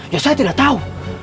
ya saya tidak tahu